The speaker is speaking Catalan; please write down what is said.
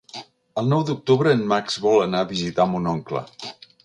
El nou d'octubre en Max vol anar a visitar mon oncle.